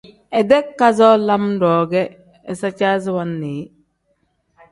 Idee kazoo lam-ro ge izicaasi wannii yi.